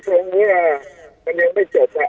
ต้องว่ามันยังไม่จบ